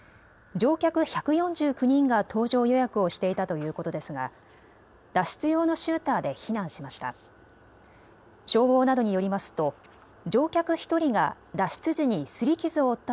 乗客１４９人が搭乗予約をしていたということですが脱出用のシューターで避難しました。